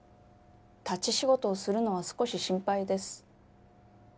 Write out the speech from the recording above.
立ち仕事をするのは少し心配です